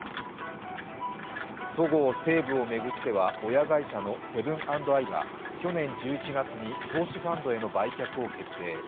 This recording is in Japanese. そごう・西武を巡っては、親会社のセブン＆アイが去年１１月に投資ファンドへの売却を決定。